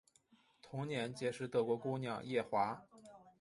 同年结识德国姑娘叶华。